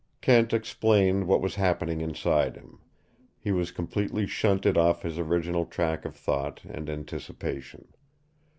Kent explained what was happening inside him. He was completely shunted off his original track of thought and anticipation.